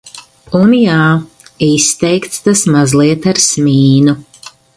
Un jā, izteikts tas mazliet ar smīnu.